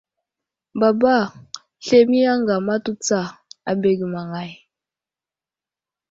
Baba slemiye aŋgam atu tsa abege maŋay.